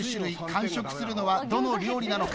完食するのはどの料理なのか？